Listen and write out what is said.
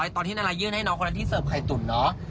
ตอนที่นารายื่นให้น้องคนนั้นที่เสิร์ฟไข่ตุ๋นเนอะ